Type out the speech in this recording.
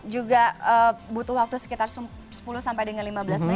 juga butuh waktu sekitar sepuluh sampai dengan lima belas menit